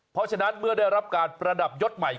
เพราะฉะนั้นเมื่อได้รับการประดับยศใหม่